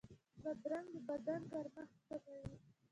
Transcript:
بادرنګ د بدن ګرمښت کموي.